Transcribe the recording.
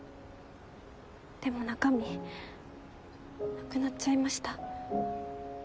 でも中身なくなっちゃいました。